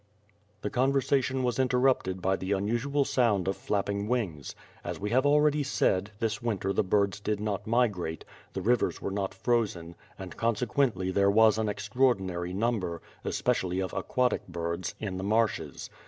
The conversation was interrupted by the unusual sound of flapping wings. As we have already said, this winter the birds did not migrate; the rivers were not frozen, and consequently there was an extraordinary number, especially of aquatic birds, in the marshes.